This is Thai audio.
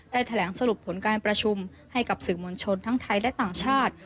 แถลงสรุปผลการประชุมให้กับสื่อมวลชนทั้งไทยและต่างชาติ